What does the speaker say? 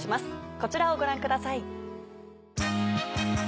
こちらをご覧ください。